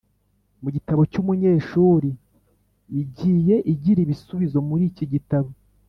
mu gitabo cy’umunyeshuri igiye igira ibisubizo muri iki gitabo,